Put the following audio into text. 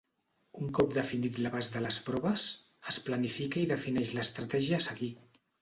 Un cop definit l'abast de les proves, es planifica i defineix l'estratègia a seguir.